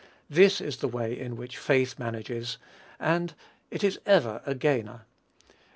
This is the way in which faith manages, and it is ever a gainer.